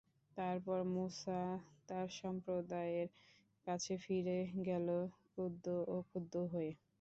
তারপর মূসা তার সম্প্রদায়ের কাছে ফিরে গেল কুদ্ধ ও ক্ষুব্ধ হয়ে।